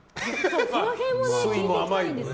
その辺を聞いていきたいんです。